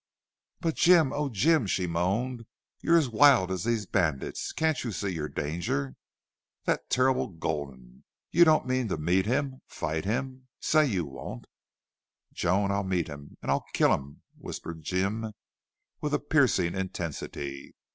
"But Jim oh, Jim!" she moaned. "You're as wild as these bandits. You can't see your danger.... That terrible Gulden!... You don't mean to meet him fight him?... Say you won't!" "Joan, I'll meet him and I'll KILL him," whispered Jim, with a piercing intensity.